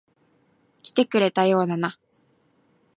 来てくれたようだな。